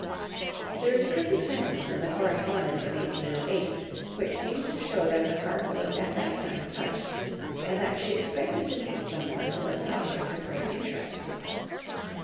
There is a cryptic sentence in the correspondence of 1808 which seems to show that her heart was at that time touched, and that she expected to meet someone who was an object of great interest to her.